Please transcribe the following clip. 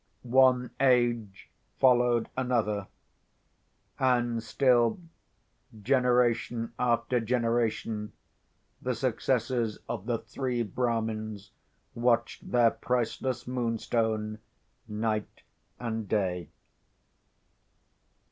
One age followed another—and still, generation after generation, the successors of the three Brahmins watched their priceless Moonstone, night and day.